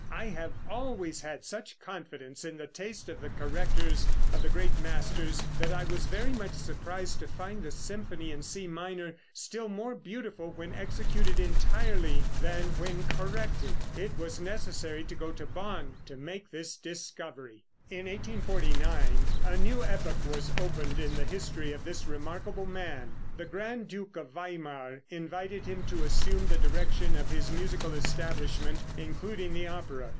I have always had such confidence in the taste of the correctors of the great masters that I was very much surprised to find the symphony in C minor still more beautiful when executed entirely than when corrected. It was necessary to go to Bonn to make this discovery." In 1849 a new epoch was opened in the history of this remarkable man. The grand duke of Weimar invited him to assume the direction of his musical establishment, including the opera.